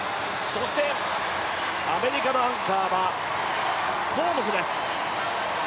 そしてアメリカのアンカーはホームズです。